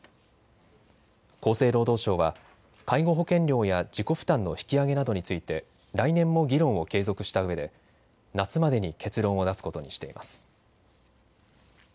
厚生労働省は介護保険料や自己負担の引き上げなどについて来年も議論を継続したうえで夏までに結論を出すことにしています。